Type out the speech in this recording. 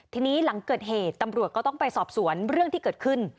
ทีนี้หลังเกิดเหตุตำรวจก็ต้องไปสอบสวนเรื่องที่เกิดขึ้น